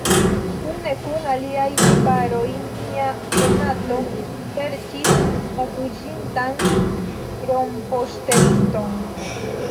Kune kun aliaj najbaroj mia konato serĉis la fuĝintan rompoŝteliston.